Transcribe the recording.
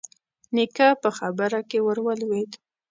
نيکه په خبره کې ور ولوېد: